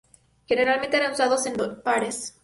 Generalmente eran usados en pares.